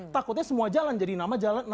takutnya semua jalan jadi nama jalan